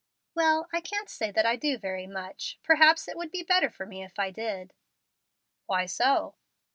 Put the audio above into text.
"Well, I can't say that I do very much. Perhaps it would be better for me if I did." "Why so?"